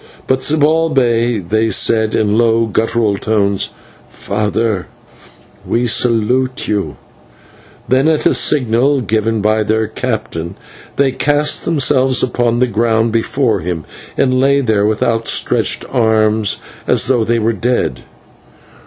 But to Zibalbay they said, in low, guttural tones, "Father, we salute you," then, at a signal given by their captain, they cast themselves on the ground before him, and lay there with outstretched arms as though they were dead.